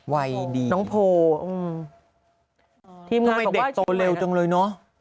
วัยดีน้องโภอืมทีมงานของว่าชมพูนะทำไมเด็กโตเร็วจังเลยเนอะ